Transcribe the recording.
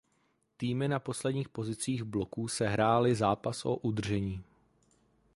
Týmy na posledních pozicích bloků sehrály zápas o udržení.